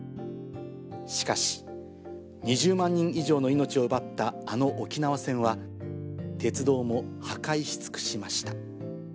しかし、２０万人以上の命を奪ったあの沖縄戦は、鉄道も破壊し尽くしました。